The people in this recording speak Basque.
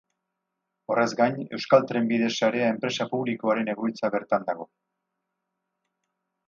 Horrez gain, Euskal Trenbide Sarea enpresa publikoaren egoitza bertan dago.